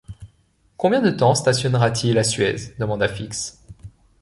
Combien de temps stationnera-t-il à Suez? demanda Fix.